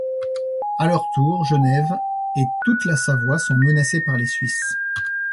À leur tour, Genève et toute la Savoie sont menacées par les Suisses.